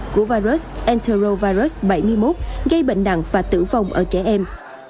của virus enterovirus bảy mươi một gây bệnh nặng và tử vong ở trẻ em